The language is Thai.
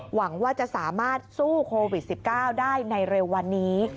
หวังว่าจะสามารถสู้โควิด๑๙ได้ในเร็ววันนี้